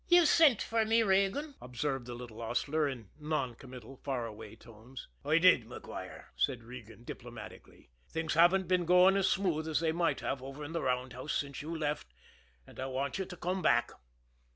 "Yez sint for me, Regan," observed the little hostler, in noncommittal, far away tones. "I did, Maguire," said Regan diplomatically. "Things haven't been going as smooth as they might have over in the roundhouse since you left, and I want you to come back.